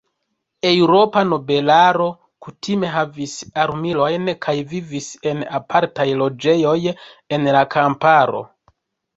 Eŭropa nobelaro kutime havis armilojn kaj vivis en apartaj loĝejoj en la kamparo.